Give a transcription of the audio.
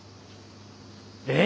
え？